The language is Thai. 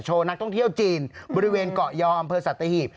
โชว์นักท่องเที่ยวจีนบริเวณเกาะยอมภศตธีพ